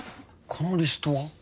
このリストは？